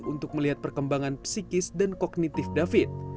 untuk melihat perkembangan psikis dan kognitif david